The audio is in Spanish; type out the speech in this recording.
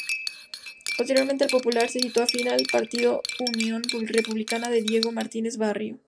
Posteriormente "El Popular" se situó afín al partido Unión Republicana, de Diego Martínez Barrio.